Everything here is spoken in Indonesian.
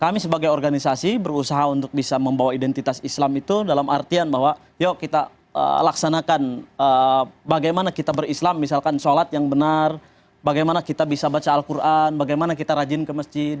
kami sebagai organisasi berusaha untuk bisa membawa identitas islam itu dalam artian bahwa yuk kita laksanakan bagaimana kita berislam misalkan sholat yang benar bagaimana kita bisa baca al quran bagaimana kita rajin ke masjid